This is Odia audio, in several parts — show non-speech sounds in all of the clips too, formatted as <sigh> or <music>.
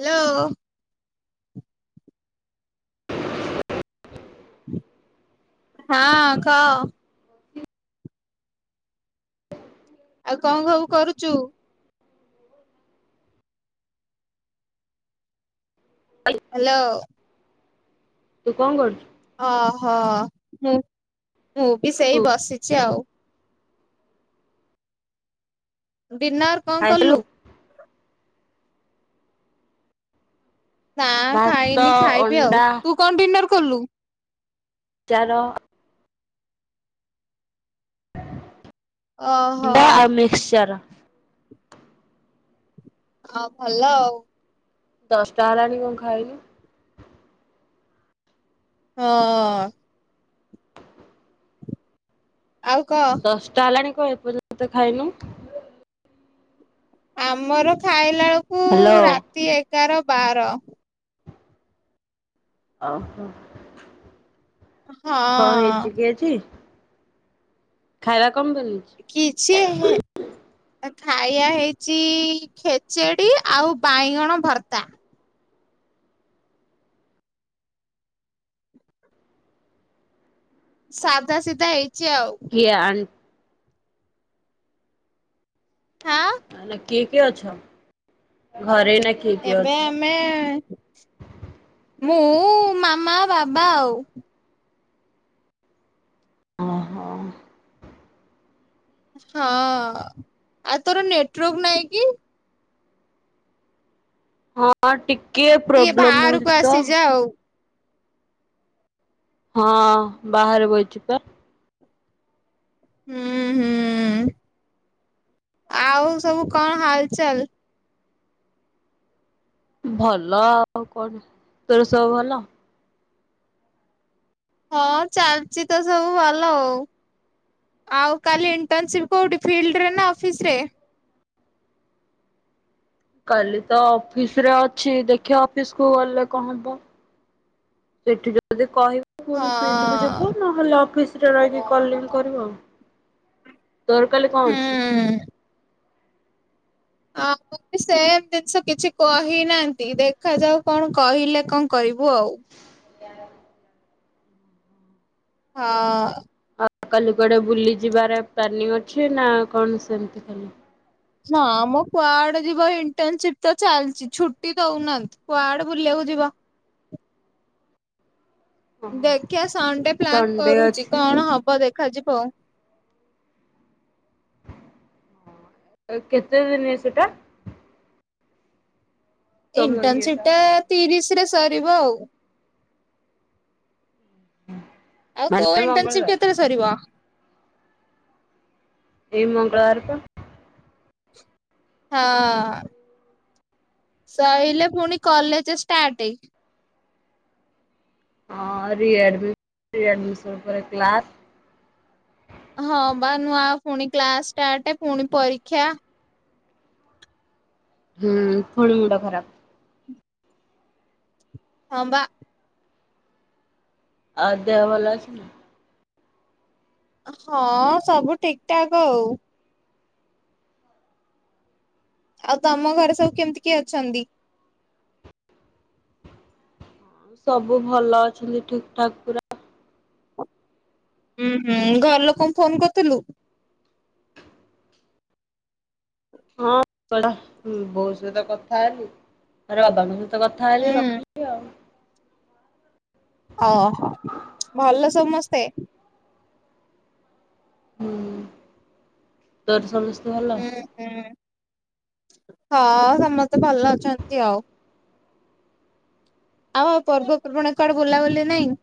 ହ୍ୟାଲୋ। ହଁ କହ। ଆଉ କଣ ଖବୁ କରୁଚୁ? <inaudible> ହ୍ୟାଲୋ। ତୁ କଣ କରୁଚୁ? ଅ ହ ମୁଁ ମୁଁ ବି ସେଇ ବସିଚି ଆଉ। ଡିନର କଣ ଖାଇସାରିଲୁ? କଲୁ? ନା ଭାତ, ଖାଇନି ଖାଇବି ଆଉ ଅଣ୍ଡା, ତୁ କଣ ଡିନର କଲୁ? ଚାର ଓହୋ ଅଣ୍ଡା ଆଉ ମିକ୍ସଚର। ହଁ ଭଲ ଆଉ। ଦଶଟା ହେଲାଣି କଣ ଖାଇନୁ? ହଁ। ଆଉ କହ। ଷ୍ଟା ହେଲାଣି କଣ ଏପର୍ଯ୍ୟନ୍ତ ଖାଇନୁ? ଆମର ଖାଇଲା ବେଳକୁ ହ୍ୟାଲୋ। ରାତି ଏଗାର ବାର। ଓହୋ। କଣ ହେଇଚି ହଁ କି ଆଜି। ଖାଇବା କମ୍ କରିବି? କିିଛି ହେ ଖାଇବା ହେଇଚି ଖେଚେଡି ଆଉ ବାଇଁଗଣ ଭର୍ତ୍ତା। ସାଧା ସିଧା ହେଇଚି ଆଉ। କିଏ ଆଣ୍ ହାଁ ଏନା କିଏ କିଏ ଅଛ ଘରେ ଏନା ଏବେ ଆମେ ମୁଁ ମାମା ବାବା ଆଉ। ଓହୋ। ହଁ ଆଉ ତୋର ନେଟୱାର୍କ ନହିଁ କି? ହଁ ଟିକେ ଟିକେ ପ୍ରୋବ୍ଲେମ ବାହାରକୁ ହଉଚି ତ। ଆସିଯା ଆଉ। ହଁ ବାହାରେ ବଇଚି ପା। ହୁଁ ହୁଁ ଆଉ ସବୁ କଣ ହାଲଚାଲ? ଭଲ ଆଉ କଣ ତୋର ସବୁ ଭଲ? ହଁ ଚାଲିଚି ତ ସବୁ ଭଲ ଆଉ। ଆଉ କାଲି ଇଣ୍ଟର୍ନସିପ୍ କୋଉଠି ଫିଲ୍ଡ ରେ ନା ଅଫିସ ରେ? କାଲି ତ ଅଫିସ୍ ରେ ଅଛି ଦେଖିବା ଅଫିସ୍ କୁ ଗଲେ କଣ ହବ। ସେଇଠି ଯଦି କହିବ ହଁ ପୁଣି ଫିଲ୍ଡକୁ ଯିବୁ ନହେଲେ ଅଫିସରେ ରହିକି କଲିଂ କରିବୁ ଆଉ ତର କାଲି କଣ ଅଛି? ହୁଁ। ହଁ। ସେମ ଜିନିଷ କିଛି କହିନାହାନ୍ତି ଦେଖାଯାଉ କଣ କହିଲେ କଣ କରିବୁ ଆଉ? ହଁ। ଆଉ କାଲି କୁଆଡେ ବୁଲି ଯିବାର ପ୍ଲାନିଂ ଅଛି ନା କଣ ସେମତି ଖାଲି ନା ଆମ କୁଆଡେ ଯିବ ଇଣ୍ଟରନସିପ ତ ଚାଲିଛି ଛୁଟି ଦଉନାହାନ୍ତି କୁଆଡେ ବୁଲିବାକୁ ଯିବା? ଦେଖିବା ସନଡେ ପ୍ଲାନ୍ ସଣ୍ଡେ କରୁଛି ଅଛି କଣ ହବ ଦେଖାଯିବ ଆଉ କେତେ ନିଏ ସେଟା? ତମ ଇଏଟା? ଇଣ୍ଟର୍ନସିପଟା ତିରିଶରେ ସରିବ ଆଉ ଆଉ ତୋ ମାନେ ମଙ୍ଗଳବାର ଇଣ୍ଟରନସିପ କେତେରେ ସରିବ? ଏଇ ମଙ୍ଗଳବାର ତ ହଁ। ସଇଲେ ପୁଣି କଲେଜ ଷ୍ଟାର୍ଟ। ହଁ ରିଆଡ ଆଡ଼ମିଶନ ପରେ କ୍ଲାସ୍। ହଁ ବା ନୂଆ ପୁଣି କ୍ଲାସ ଷ୍ଟାର୍ଟ ପୁଣି ପରୀକ୍ଷା ହଁ ଥଣ୍ଡ ମଣ୍ଡ ଖରାପ। ହଁ ବା। ଆ ଦେହ ଭଲ ଅଛିନା? ହଁ ସବୁ ଠିକଠାକ ଆଉ ଆଉ ତମ ଘରେ ସବୁ କେମିତି କିଏ ଅଛନ୍ତି? ଆ ସବୁ ଭଲ ଅଛନ୍ତି ଠିକ ଠାକ୍ ପୁରା। ହୁଁ ହୁଁ ଘର ଲୋକଙ୍କୁ ଫୋନ କରିୁଥିଲୁ। ହଁ ବହୁ ସତ କଥା ହେଲି ଆରେଦ ତ କଥା ହେରିକି ହୁଁ ରଖିଲି ଆଉ ଅ ହ ଭଲ ସମସ୍ତେ ହୁଁ ତୋର ସମସ୍ତେ ଭଲ? ହୁଁ ହୁଁ ହଁ ସମସ୍ତେ ଭଲ ଅଛନ୍ତି ଆଉ ଆଉ ପର୍ବପର୍ବାଣୀ କୁଆଡେ ବୁଲାବୁଲି ନାଇଁ?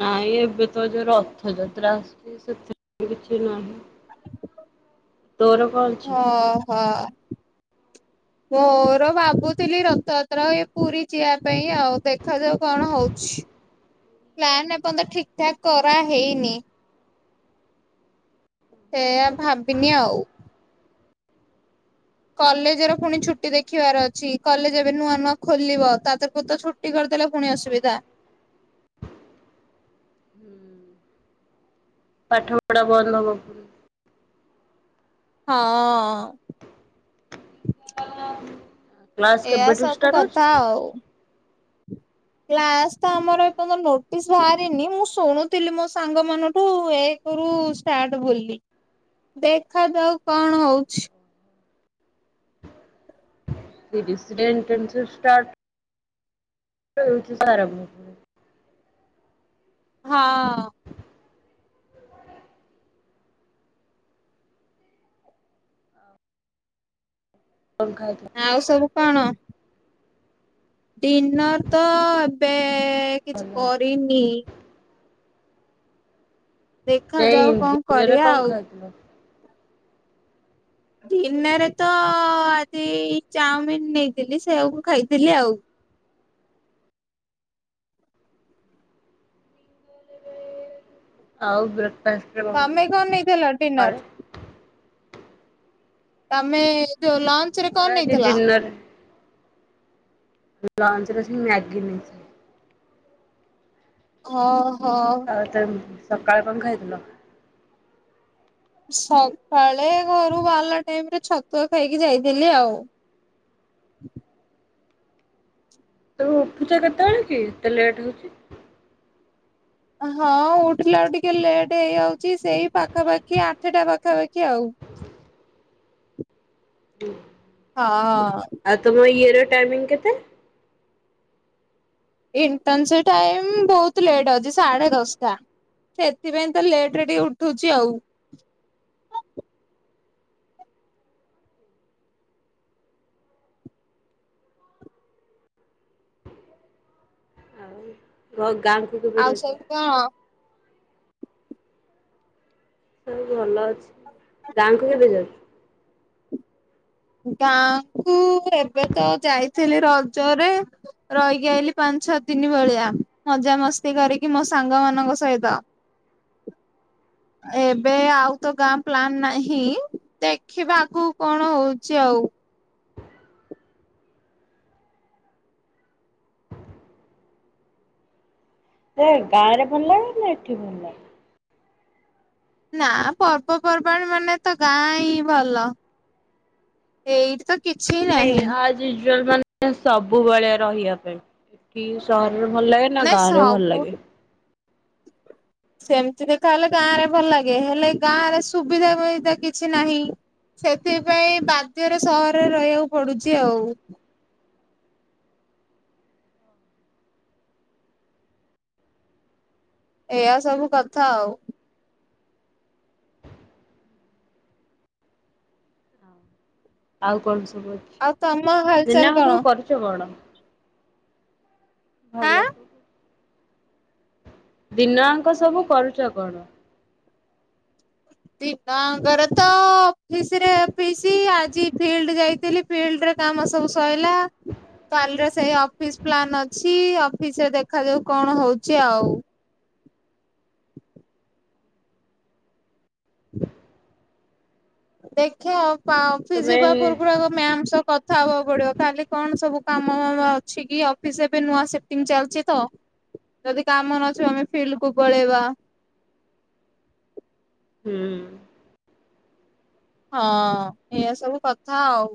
ନାଇଁ ଏବେ ତ ଯୋଉ ରଥଯାତ୍ରା ଆସିଛି ସେଥିପାଇଁ କିଛି ନାହିଁ। ତୋର କଣ ଅଛି ଅହ। ମୋର ଭାବୁଥିଲି ରଥଯାତ୍ରା ଏଇ ପୁରୀ ଯିଆ ପାଇଁ ଆଉ ଦେଖାଯାଉ କଣ ହଉ ଛି ପ୍ଲାନ୍ ଏପର୍ଯ୍ୟନ୍ତ ଠିକ ଠାକ କରାହେଇନି। ସେଆ ଭାବିନି ଆଉ କଲେଜରେ ପୁଣି ଛୁଟି ଦେଖିବାର ଅଛି କଲେଜ ଏବେ ନୂଆ ନୂଆ ଖୋଲିବ ତା ତରକୁ ତ ଛୁ ଟି କରିଦେଲେ ପୁଣି ଅସୁବିଧା। ହୁଁ ପାଠ ପଢା ବନ୍ଦ ହବ। ହଁ। କ୍ଲାସ ଏୟା କେବେଠୁ ସବୁ ଷ୍ଟାର୍ଟ ହଉଛି କଥା କି? ଆଉ କ୍ଲାସ ତ ଆମର ଏପଯ୍ୟନ୍ତ ନୋଟିସ ବାହାରିନି ମୁଁ ଶୁଣୁଥିଲି ମୋ ସାଙ୍ଗ ମାନଠୁ ଏ କରୁ ଷ୍ଟାର୍ଟ ବୋଲି ଦେଖାଜାଉ କଣ ହଉଛି? ରିସିଡେଣ୍ଟଟେସ୍ ଷ୍ଟାର୍ଟ <inaudible> ହଁ। କଁ ଖାଇଥୂ ଆଉ ସବୁ କଣ? ଡିନର୍ ତ ଏବେ ଭଲ କିଛି କରିନି। ନାଇଁ ଦେଖାଯାଉ କଣ ଦିନରେ କରିବା କଣ ଆଉ। ଖାଇଥିଲ ଦିନରେ ତ ଆଜି ଚାଉମିିନ ନେଇଥିଲି ସେଆକୁ ଖାଇଥିଲି ଆଉ। ଆଉ ବ୍ରେକଫାଷ୍ଟ ରେ କଣ ତମେ ନେଇଥିଲ ଖାଇଥିଲେ ଡିନର ସକାଳେ? ତମେ ଯୋଉ ଲଞ୍ଚ ରେ ମୋର କଣ ଆଜି ନେଇଥିଲ? ଡିନର ଲଞ୍ଚରେ ସେଇ ମ୍ୟାଗି ନେଇଥିଲି। ହଁ। ଆଉ ତମ୍ ସକାଳେ କଣ ଖାଇଥିଲ? ସକାଳେ ଘରୁ ବାହାଲା ଟାଇମ ରେ ଛତୁଆ ଖାଇକି ଯାଇଥିଲି ଆଉ। ତୁମ୍ ଉଠୁଚ କେତେବେଳେ କି ଏତେ ଲେଟ୍ ହଉଛି। ହଁ ଉଠିଲାଳେ କୁ ଟିକେ ଲେଟ୍ ହେଇଯାଉଛି ସେଇ ପାଖାପାଖି ଆଠଟା ପାଖାପାଖି ଆଉ। <unintelligible> ହଁ। ଆଉ ତମ ଇଏର ଟାଇମିଙ୍ଗ କେତେ? ଇଣ୍ଟନସ ଟାଇମ ବହୁତ ଲେଟ୍ ଅଛି ସାଢେ ଦଶଟା। ସେଥିପାଇଁ ତ ଲେଟ ରେ ଟିକେ ଉଠୁଛି ଆଉ। ରୋଗାଣ ଆଉ ସବୁ କଣ? ସବୁ ଭଲ ଅଛି ଗାଁକୁ କେବେ ଯାଉ ଗାଁ କୁ ଏବେ ତ ଯାଇଥିଲି ରଜରେ। ରହିକି ଆଇଲି ପାଞ୍ଚ ଛଅ ଦିନି ଭଳିଆ ମଜା ମସ୍ତି କରିକି ମୋ ସାଙ୍ଗ ମାନଙ୍କ ସହିତ। ଏବେ ଆଉ ତ ଗାଁ ପ୍ଲାନ ନାହିଁ ଦେଖିବା ଆଗକୁ କଣ ହଉଛି ଆଉ। ସେ ଗାଁ ରେ ଭଲ ଲାଗେ ନା ଏଠି ଭଲ ଲାଗେ? ନା ପର୍ବପର୍ବାଣୀ ମାନେ ତ ଗାଁ ହିଁ ଭଲ ଏଇଠି ତ କିଛି ନାଇଁ ନାହିଁ। ଆଜ୍ ୟୁଜୁଆଲ ମାନେ ସବୁବେଳେ ରହିବା ପାଇଁ ଏଠି ସହରରେ ଭଲ ଲାଗେ ନା ନାଇଁ ଗାଁ ରେ ଭଲ ସବୁ ଲାଗେ। ସେମିତିରେ ତାହେଲେ ଗାଁ ରେ ଭଲ ଲାଗେ ହେଲେ ଗାଁ ରେ ସୁବିଧା ପାଇଁ ତ କିଛି ନାହିଁ। ସେଥିପାଇଁ ବାଧ୍ୟରେ ସହରରେ ରହିବାକୁ ପଡୁଛି ଆଉ। ଏଆ ସବୁ କଥା ଆଉ। ଆଉ କଣ ସବୁ ଅଛି ଆଉ ତମ ହାଲଚାଲ ଦିନ ମାନ କଣ ତମେ କରୁଚ କଣ? ଆଁ? ଭଲ କି ଦିନ ୟାଙ୍କ ସବୁ କରୁଛ କଣ? ଦିନଙ୍କର ତ ଅଫିସରେ ଅଫିସି ଆଜି ଫିଲ୍ଡ ଯାଇଥିଲି ଫିଲ୍ଡରେ କାମ ସବୁ ସଇଲା। କାଲିରେ ସେଇ ଅଫିସ ପ୍ଲାନ୍ ଅଛି ଅଫିସ ରେ ଦେଖାଯାଉ କଣ ହଉଛି ଆଉ। ଦେଖିଆ ପାଁ ଅଫିସି ତମେ ଯିବା ପୂର୍ବରୁ ଆଗ ମ୍ୟାମ୍ ସହ କ କଥା ହବାକୁ ପଡିବ କାଲି କଣ ସବୁ କାମ ମାମ ଅଛି କି ଅଫିସ ଏବେ ନୂଆ ସିପଟିଙ୍ଗ ଚାଲିଛି ତ। ଯଦି କାମନଥିବ ଆମେ ଫିଲ୍ଡ କୁ ପଳେଇବା। ହୁଁ। ହଁ ଏୟା ସବୁ କଥା ଆଉ।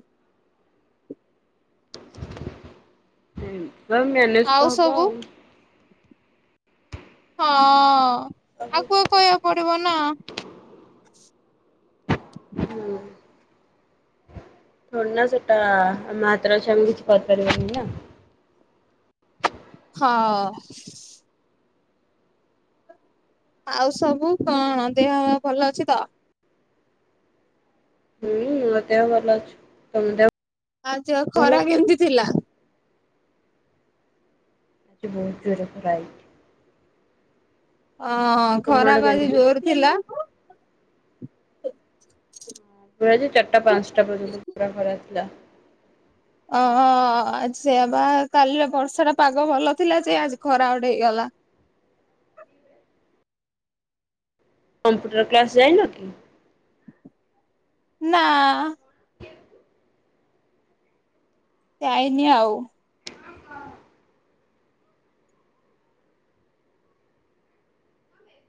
ନଉ ମ୍ୟାନେଜ ତ ହବ ଆଉ। ହଁ ଆକୁୁଆ କହିବାକୁ ପଡିବ ନା। ହୁଁ। ଥୋଡିନା ସେଟା ଆମ ହାତରେ ଅଛି ଆମେ କିଛି କରିପାରିବାନି ନା। ହଁ। ଆଉ ସବୁ କଣ? ଦେହ ଭଲ ଅଛି ତ? ହଁ ମଦେହ ଭଲ ଅଛି। ତମ ଦେହ? <unintelligible> ଭଲ ଖରା ଅଛି? କେମିତି ଥିଲା? ବହୁତ ଜୋର <unintelligible> ଅଁ ତମ ଖରା ଆଡେ ପା କେମିତି ଆଜି ହେଇଛି? ଜୋର ଥିଲା। <unintelligible> ଚାରିଟା ପାଞ୍ଚଟା ପର୍ଯ୍ୟନ୍ତ ପୁରା ଖରା ଥିଲା। ଅ ସେୟା ବା କାଲିର ବର୍ଷା ଟା ପାଗ ଭଲ ଥିଲା ଯେ ଆଜି ଖରାଗୋଟେ ହେଇଗଲା। କମ୍ପ୍ୟୁଟର କ୍ଲାସ୍ ଯାଇନ କି? ନା। ଯାଇନି ଆଉ।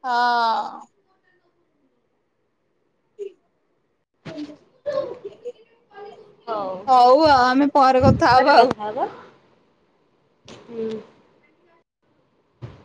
ହଁ। ହଉ ଆ ଆମେ ପରେ କ <unintelligible> କଥା ହେବା।